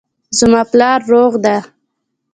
زما پلار روغ ده